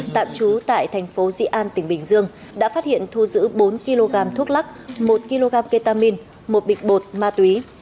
tạm trú tại thành phố dị an tỉnh bình dương đã phát hiện thu giữ bốn kg thuốc lắc một kg ketamin một bịch bột ma túy